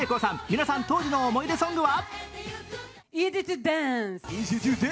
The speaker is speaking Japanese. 皆さん当時の思い出ソングは？